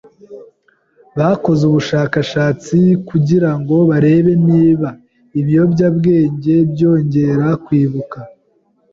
Bakoze ubushakashatsi kugirango barebe niba ibiyobyabwenge byongera kwibuka.